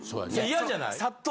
嫌じゃない？